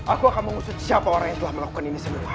aku akan mengusut siapa orang yang telah melakukan ini semua